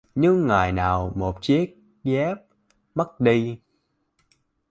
Nếu ngày nào một chiếc dép mất đi